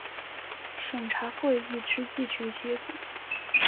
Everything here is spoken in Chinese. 审查会议之议决结果